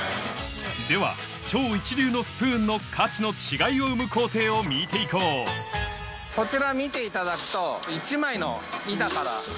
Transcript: では超一流のスプーンの価値の違いを生む工程を見て行こうこちら見ていただくと。